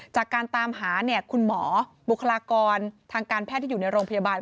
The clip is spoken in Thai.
จากการตามหาเนี่ยคุณหมอบุคลากรทางการแพทย์ที่อยู่ในโรงพยาบาล